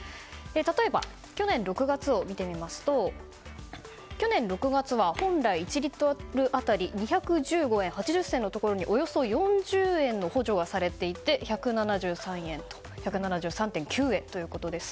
例えば、去年６月を見てみますと本来、１リットル当たり２１５円８０銭のところにおよそ４０円の補助がされて１７３．９円ということです。